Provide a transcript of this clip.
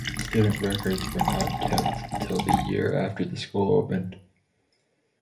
Student records were not kept until the year after the school opened.